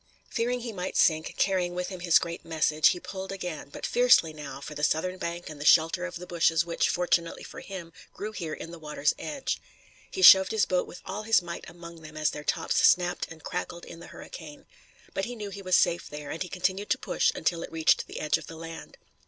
Fearing he might sink, carrying with him his great message, he pulled again, but fiercely now, for the southern bank and the shelter of the bushes, which, fortunately for him, grew here in the water's edge. He shoved his boat with all his might among them, as their tops snapped and crackled in the hurricane. But he knew he was safe there, and he continued to push until it reached the edge of the land.